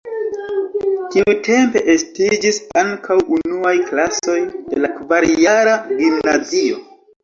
Tiutempe estiĝis ankaŭ unuaj klasoj de la kvarjara gimnazio.